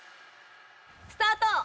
スタート！